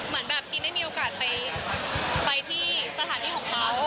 กรีนได้มีโอกาสไปที่สถานที่ของเขา